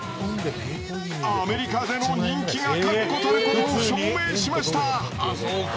アメリカでの人気が確固たることを証明しました。